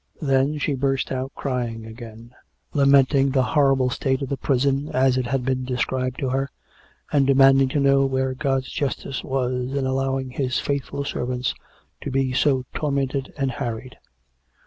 Then she burst out crying again, lamenting the horrible state of the prison, as it had been described to her, and demanding to know where God's justice was in allowing His faithful servants to be so tormented and harried.